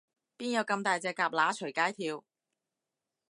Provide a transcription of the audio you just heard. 邊有噉大隻蛤乸隨街跳